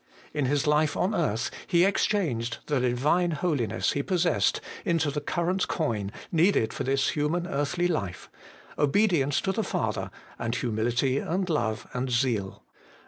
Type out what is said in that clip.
In His life on earth He exchanged the Divine Holiness He possessed into the current coin needed for this human earthly life, obedience to the Father, and humility, and love, and zeal.